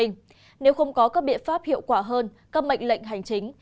nếu không có các biện pháp hiệu quả hơn các mệnh lệnh hành chính